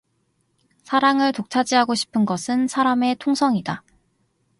사랑을 독차지하고 싶은 것은 사람의 통성이다.